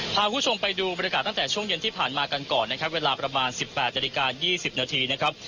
พาคุณผู้ชมไปดูบรรยากาศตั้งแต่ช่วงเย็นที่ผ่านมากันก่อนนะครับเวลาประมาณ๑๘นาฬิกา๒๐นาทีนะครับ